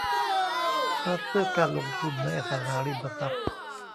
ทรัสต์เพื่อการลงทุนในอสังหาริมทรัพย์